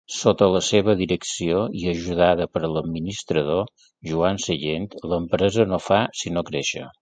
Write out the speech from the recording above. Sota la seva direcció, i ajudada per l'administrador, Joan Sallent, l'empresa no fa sinó créixer.